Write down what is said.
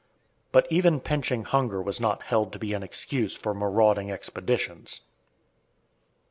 But even pinching hunger was not held to be an excuse for marauding expeditions.